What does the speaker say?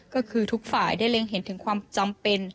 ก็คือทุกฝ่ายได้เล็งเห็นถึงความจำเป็น